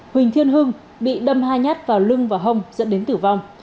huỳnh thiên hưng bị đâm hai nhát vào lưng và hông dẫn đến tử vong